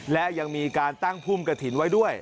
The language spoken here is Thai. และยังมีการตั้งพุ่มกระถิ่นไว้ด้วย